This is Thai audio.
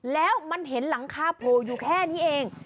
แล้วมันเห็นหลังคาโผล่อยู่แค่นี้เอง